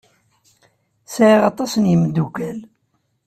Sɛiɣ aṭas n yimeddukal.